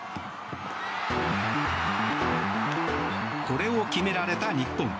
これを決められた日本。